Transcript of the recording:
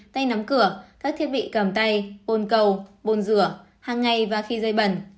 tay nắm cửa các thiết bị cầm tay ôn cầu bồn rửa hàng ngày và khi dây bẩn